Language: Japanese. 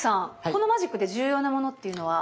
このマジックで重要なものっていうのは？